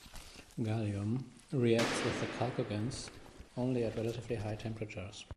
Gallium reacts with the chalcogens only at relatively high temperatures.